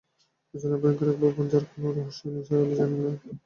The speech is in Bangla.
অচেনা ভয়ঙ্কর এক ভুবন, যার কোনো রহস্যই নিসার আলির জানা নেই।